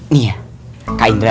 nih ya kak indra